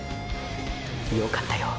よかったよ